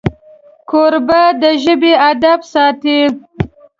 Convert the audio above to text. کوربه د ژبې ادب ساتي.